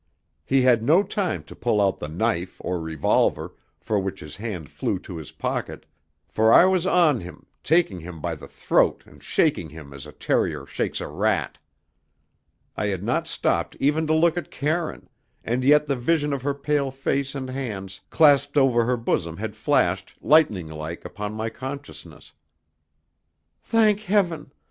He had no time to pull out the knife or revolver, for which his hand flew to his pocket, for I was on him, taking him by the throat and shaking him as a terrier shakes a rat. I had not stopped even to look at Karine, and yet the vision of her pale face and hands clasped over her bosom had flashed, lightning like, upon my consciousness. "Thank heaven!